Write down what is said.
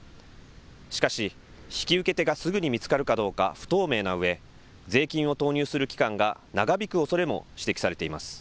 しかし引き受け手がすぐに見つかるかどうか不透明なうえ税金を投入する期間が長引くおそれも指摘されています。